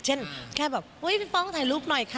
เช่นแค่แบบพี่ป้องถ่ายรูปหน่อยค่ะ